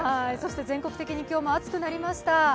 全国的に今日も暑くなりました。